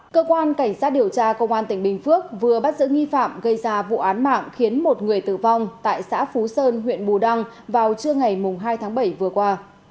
cơ quan cảnh sát điều tra công an tỉnh bình phước vừa bắt giữ nghi phạm gây ra vụ án mạng khiến một người tử vong tại xã phú sơn huyện bù đăng vào trưa ngày hai tháng bảy vừa qua